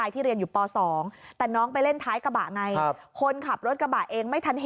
ถอยรถแล้วน้องก็ตกไงคุณ